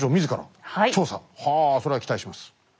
それは期待します。